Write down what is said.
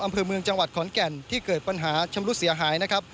อำเภอเมืองจังหวัดขอนแก่นที่เกิดปัญหาชำรุดเสียหายนะครับ